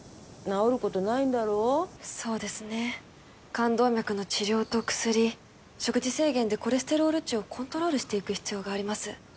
冠動脈の治療と薬食事制限でコレステロール値をコントロールしていく必要があります。